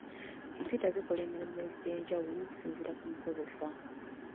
Kompyuta zikola emirimu egy'enjawulo okusinziira ku mukozesa.